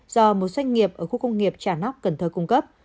do một doanh nghiệp ở khu công nghiệp trà nóc cần thơ cung cấp